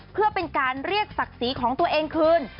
เพื่อเป็นการเรียกศักดิ์ศรีของตัวเองคืน